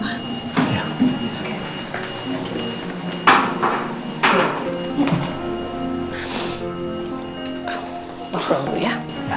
mas wuryah kamu pergi dulu ya